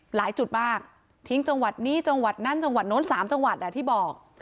หลายจุดมากทิ้งจังหวัดนี้จังหวัดนั้นจังหวัดโน้น๓จังหวัดที่บอก